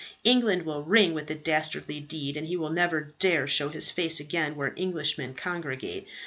England will ring with the dastardly deed, and he will never dare show his face again where Englishmen congregate.